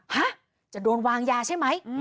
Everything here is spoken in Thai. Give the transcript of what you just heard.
ฮะจะโดนวางยาใช่ไหม